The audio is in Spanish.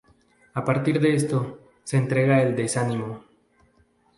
A partir de esto, se entrega al desánimo.